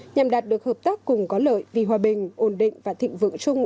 nhằm đạt được hợp tác cùng có lợi vì hòa bình ổn định và thịnh vượng chung